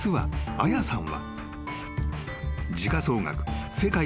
あやさん。